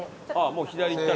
もう左行ったら？